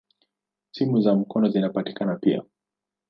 Simu za mkono zinapatikana pia.